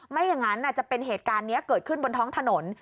ไม่อย่างนั้นจะเป็นเหตุการณ์นี้เกิดขึ้นบนท้องถนน